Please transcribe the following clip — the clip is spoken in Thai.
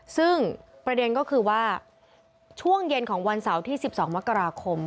ซึ่งประเด็นก็คือว่าช่วงเย็นของวันเสาร์ที่๑๒มกราคม